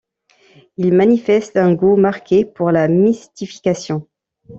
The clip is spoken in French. Il manifeste un goût marqué pour la mystification.